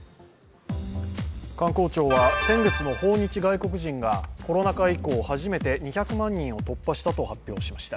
観光庁は先月の訪日外国人がコロナ禍以降初めて２００万人を突破したと発表しました。